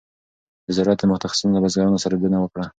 د زراعت متخصصینو له بزګرانو سره لیدنه وکړه.